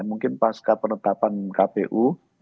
mungkin pasca penetapan kpu